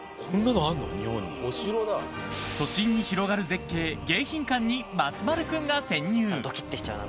都心に広がる絶景迎賓館に松丸君が潜入。